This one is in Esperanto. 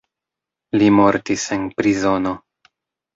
Li mortis en prizono.